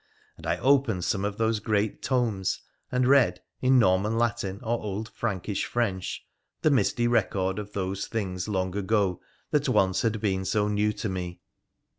And I opened some of those great tomes, and read, in Norman Latin or old Frankish French, the misty record of those things of long ago that once had been so new to me.